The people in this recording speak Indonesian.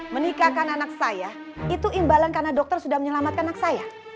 menikahkan anak saya itu imbalan karena dokter sudah menyelamatkan anak saya